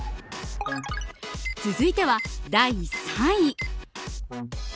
続いては、第３位。